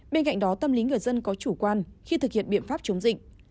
bên cạnh đó tâm lý người dân có chủ quan khi thực hiện biện pháp chống dịch